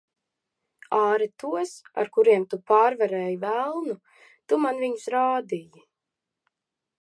Āre tos, ar kuriem tu pārvarēji velnu. Tu man viņus rādīji.